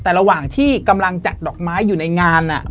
แต่ระหว่างที่กำลังจัดดอกไม้อยู่ในงาน